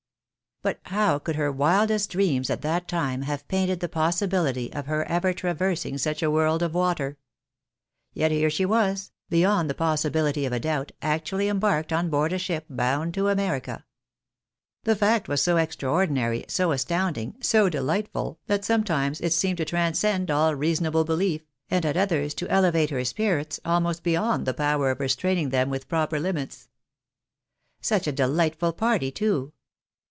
But how could her wildest dreams at that time have painted the possibiUty of her ever traversing such a world of water ? Yet here she was, beyond the possibility of a doubt, actually embarked on board a ship bound to America ! The fact was so extraordinary, so astounding, so delightful, that sometimes it seemed to transcend all reasonable beUef, and at others to elevate her spirits almost beyond the power of restraining them within proper limits. Such a dehghtful party too